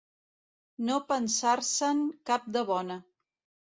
No pensar-se'n cap de bona.